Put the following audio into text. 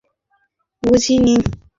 শোন, আমি কখনো বুঝিনি।